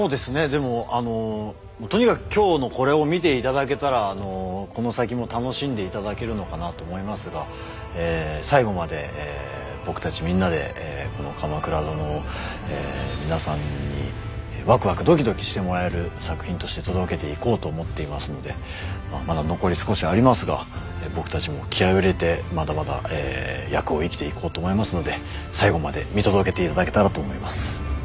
でもあのとにかく今日のこれを見ていただけたらこの先も楽しんでいただけるのかなと思いますが最後まで僕たちみんなでこの「鎌倉殿」を皆さんにワクワクドキドキしてもらえる作品として届けていこうと思っていますのでまだ残り少しありますが僕たちも気合いを入れてまだまだ役を生きていこうと思いますので最後まで見届けていただけたらと思います。